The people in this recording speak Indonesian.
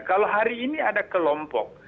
kalau hari ini ada kelompok